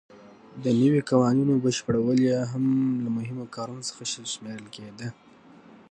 د نویو قوانینو بشپړول یې هم له مهمو کارونو څخه شمېرل کېده.